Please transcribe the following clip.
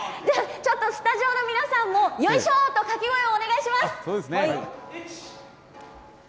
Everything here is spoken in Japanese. ちょっとスタジオの皆さんも、よいしょ！と掛け声をお願いします。